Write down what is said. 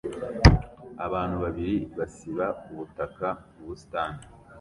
Abantu babiri basiba ubutaka mu busitani